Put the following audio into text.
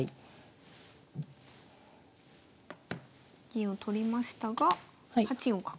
銀を取りましたが８四角。